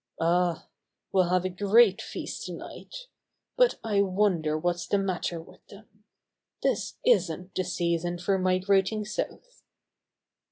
"Ah! We'll have a great feast tonight. But I wonder what's the matter with them. This isn't the season for migrating south."